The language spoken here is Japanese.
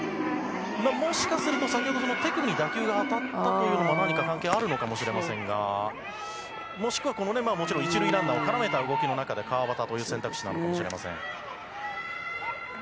もしかすると手首に打球が当たったというのが何か関係あるのかもしれませんがもしくはもちろん１塁ランナーを絡めた動きの中で川畑という選択肢かもしれません。